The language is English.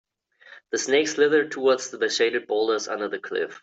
The snake slithered toward the shaded boulders under the cliff.